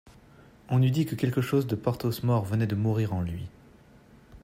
On eût dit que quelque chose de Porthos mort venait de mourir en lui.